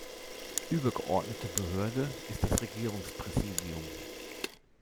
Übergeordnete Behörde ist das Regierungspräsidium.